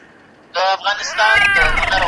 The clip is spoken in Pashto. د ميرمنو تر منځ قسم له معروف معاشرت څخه دی.